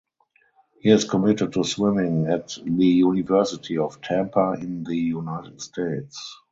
He has committed to swimming at the University of Tampa in the United States.